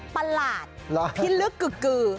ปลาดพิลึกเกือบ